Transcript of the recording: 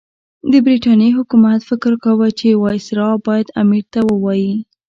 د برټانیې حکومت فکر کاوه چې وایسرا باید امیر ته ووايي.